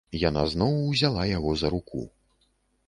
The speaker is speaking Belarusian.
Яна зноў узяла яго за руку.